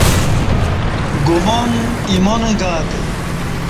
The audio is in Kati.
گمان ایمان گاتہ